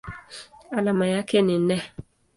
Alama yake ni Ne.